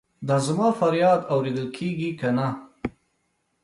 دا زما فریاد اورېدل کیږي کنه؟